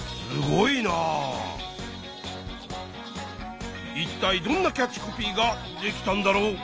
いったいどんなキャッチコピーができたんだろう？